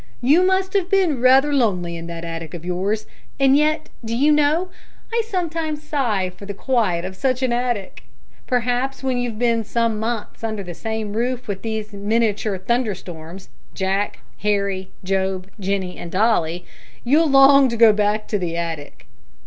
"You must have been rather lonely in that attic of yours. And yet do you know, I sometimes sigh for the quiet of such an attic! Perhaps when you've been some months under the same roof with these miniature thunderstorms, Jack, Harry, Job, Jenny, and Dolly, you'll long to go back to the attic."